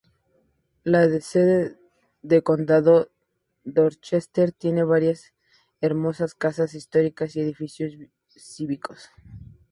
La sede de condado, Dorchester, tiene varias hermosas casas históricas y edificios cívicos.